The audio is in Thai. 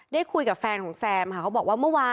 ได้คุยกับแฟนของแซมค่ะเขาบอกว่าเมื่อวาน